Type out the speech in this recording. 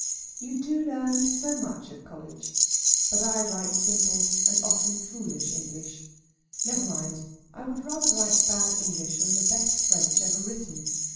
You do learn so much at college: but I write simple and often foolish English. Never mind; I would rather write bad English, than the best French ever written.